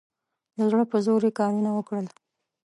د زړه په زور یې کارونه وکړل.